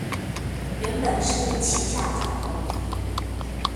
原本是旗下轉投資